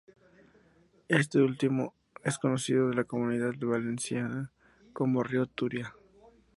Este último es conocido en la Comunidad Valenciana como río Turia.